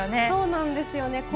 そうなんですよね。